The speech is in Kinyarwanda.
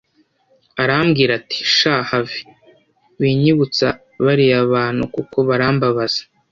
arambwira ati sha have, winyubutsa bariya bantu kuko barambabaza